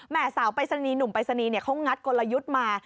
แหม่สาวปริศนีหนุ่มปริศนีเขางัดกลยุทธ์มา